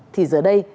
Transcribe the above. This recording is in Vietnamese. thì giờ đây